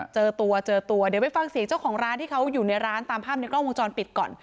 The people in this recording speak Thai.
เจอตัวเจอตัวเดี๋ยวไปฟังเสียงเจ้าของร้านที่เขาอยู่ในร้านตามภาพในกล้องวงจรปิดก่อน